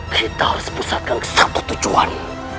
kita harus memusatkan satu tujuan